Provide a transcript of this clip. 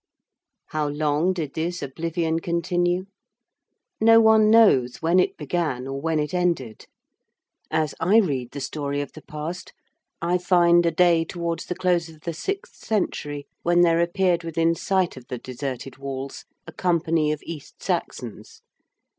How long did this oblivion continue? No one knows when it began or when it ended. As I read the story of the past, I find a day towards the close of the sixth century when there appeared within sight of the deserted walls a company of East Saxons.